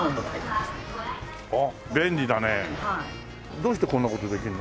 どうしてこんな事できるの？